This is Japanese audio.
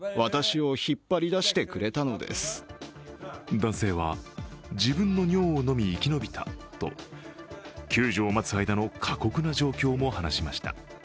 男性は、自分の尿を飲み生き延びたと救助を待つ間の過酷な状況も話しました。